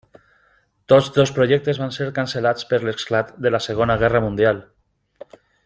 Tots dos projectes van ser cancel·lats per l'esclat de Segona Guerra Mundial.